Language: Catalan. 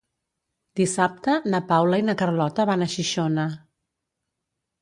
Dissabte na Paula i na Carlota van a Xixona.